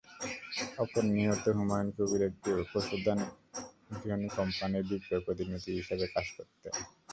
অপর নিহত হুমায়ূন কবির একটি প্রসাধনী কোম্পানির বিক্রয় প্রতিনিধি হিসেবে কাজ করতেন।